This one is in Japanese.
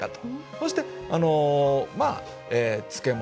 そしてまあ漬物。